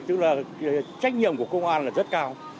tức là trách nhiệm của công an là rất cao